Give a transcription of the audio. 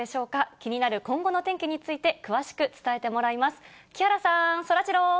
気になる今後の天気について、詳しく伝えてもらいます。